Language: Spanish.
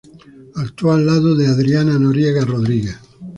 Actuó al lado de Adriana Noriega Rodríguez.